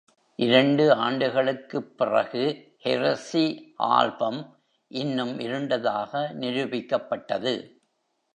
இரண்டு ஆண்டுகளுக்குப் பிறகு "ஹெரெஸி" ஆல்பம் இன்னும் இருண்டதாக நிரூபிக்கப்பட்டது.